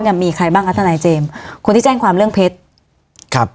เนี่ยมีใครบ้างคะทนายเจมส์คนที่แจ้งความเรื่องเพชรครับ